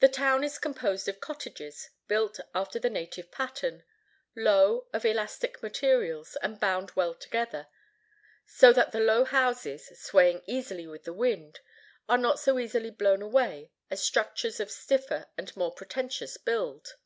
The town is composed of cottages, built after the native pattern: low, of elastic materials, and bound well together; so that the low houses, swaying easily with the wind, are not so easily blown away as structures of stiffer and more pretentious build.